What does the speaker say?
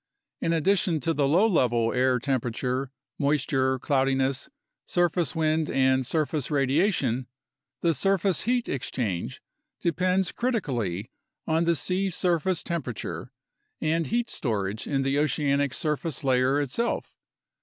In addition to the low level air tem perature, moisture, cloudiness, surface wind, and surface radiation, the surface heat exchange depends critically on the sea surface temperature and heat storage in the oceanic surface layer itself.